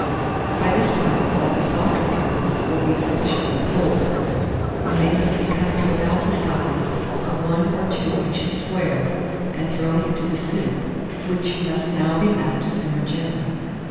By this time all the softer parts will be sufficiently cold; when they must be cut to about the size of one or two inches square, and thrown into the soup, which must now be left to simmer gently.